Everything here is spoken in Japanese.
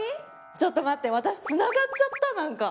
ちょっと待って私つながっちゃったなんか。